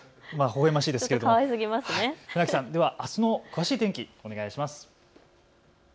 ほほえましいですけれど、船木さんあすの詳しい天気をお願いします。